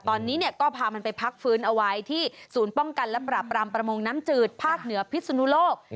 ตอนนี้เนี่ยก็พามันไปพักฟื้นเอาไว้ที่ศูนย์ป้องกันและปราบรามประมงน้ำจืดภาคเหนือพิศนุโลก